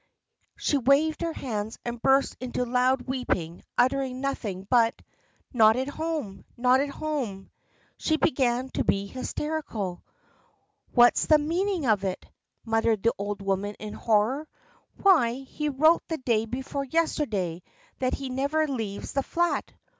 She waved her hands and burst into loud weeping, uttering nothing but: "Not at home! Not at home!" She began to be hysterical. "What's the meaning of it?" muttered the old woman in horror. "Why, he wrote the day before yesterday that he never leaves the flat!